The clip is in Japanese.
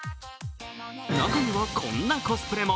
中には、こんなコスプレも。